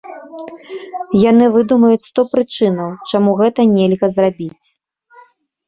Яны выдумаюць сто прычынаў, чаму гэта нельга зрабіць.